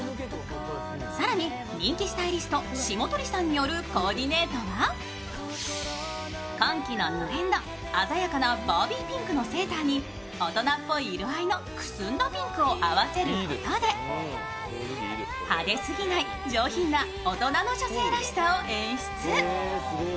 更に、人気スタイリスト霜鳥さんによるコーディネートは、今季のトレンド、鮮やかなバービーピンクのセーターに大人っぽい色合いのくすんだピンクを合わせることで派手すぎない上品な大人の女性らしさを演出。